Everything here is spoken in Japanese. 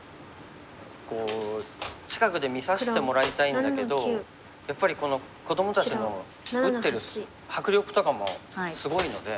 近くで見させてもらいたいんだけどやっぱりこどもたちの打ってる迫力とかもすごいので。